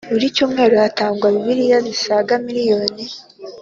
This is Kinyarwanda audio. Buri cyumweru hatangwa Bibiliya zisaga miriyoni